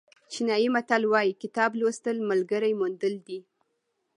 چینایي متل وایي کتاب لوستل ملګري موندل دي.